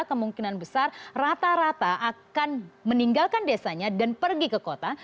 kemungkinan besar rata rata akan meninggalkan desanya dan pergi ke kota